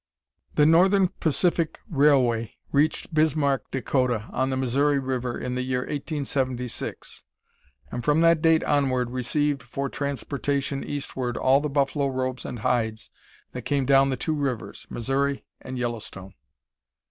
The Northern Pacific Railway reached Bismarck, Dakota, on the Missouri River, in the year 1876, and from that date onward received for transportation eastward all the buffalo robes and hides that came down the two rivers, Missouri and Yellowstone.